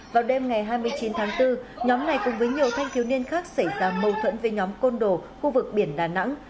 vào đêm ngày hai mươi chín tháng bốn nhóm này cùng với nhiều thanh thiếu niên khác xảy ra mâu thuẫn với nhóm côn đồ khu vực biển đà nẵng